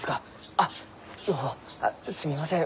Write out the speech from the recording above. あっすみません